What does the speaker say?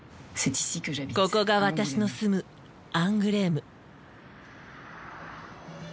ここが私の住むアングレーム。